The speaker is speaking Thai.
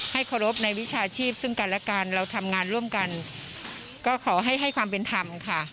เคารพในวิชาชีพซึ่งกันและกันเราทำงานร่วมกันก็ขอให้ให้ความเป็นธรรมค่ะ